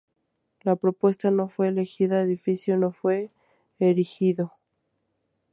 La propuesta no fue elegida, edificio no fue erigido.